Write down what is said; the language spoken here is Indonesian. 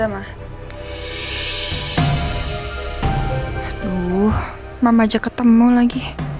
mama ajak ketemu lagi